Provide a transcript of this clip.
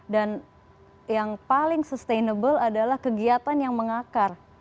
dan yang paling sustainable adalah kegiatan yang mengakar